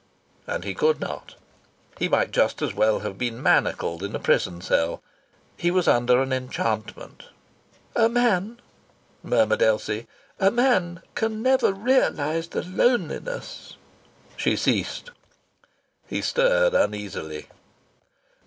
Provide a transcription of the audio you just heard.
And he could not. He might just as well have been manacled in a prison cell. He was under an enchantment. "A man," murmured Elsie, "a man can never realize the loneliness " She ceased. He stirred uneasily.